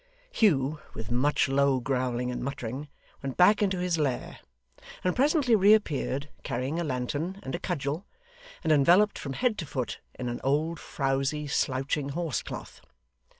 Hugh, with much low growling and muttering, went back into his lair; and presently reappeared, carrying a lantern and a cudgel, and enveloped from head to foot in an old, frowzy, slouching horse cloth.